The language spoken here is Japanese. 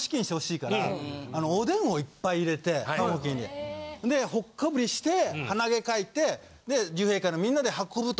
おでんをいっぱい入れてでほっかぶりして鼻毛書いて竜兵会のみんなで運ぶと。